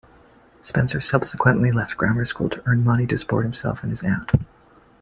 Spencer subsequently left grammar school to earn money to support himself and his aunt.